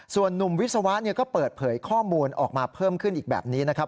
ส่วนนุ่มวิศวะก็เปิดเผยข้อมูลออกมาเพิ่มขึ้นอีกแบบนี้นะครับ